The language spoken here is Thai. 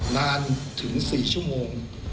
นานถึง๔ชั่วโมง